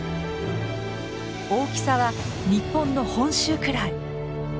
大きさは日本の本州くらい。